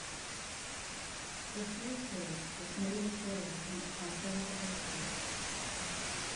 "The Sorcerer" has made its way into popular culture.